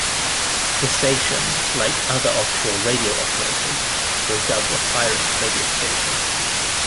The station, like other offshore radio operators, was dubbed a pirate radio station.